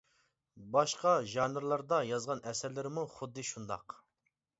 باشقا ژانىرلاردا يازغان ئەسەرلىرىممۇ خۇددى شۇنداق.